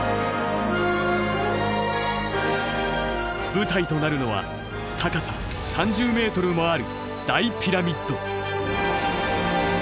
舞台となるのは高さ３０ｍもある大ピラミッド。